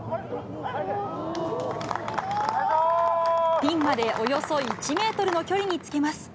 ピンまでおよそ１メートルの距離につけます。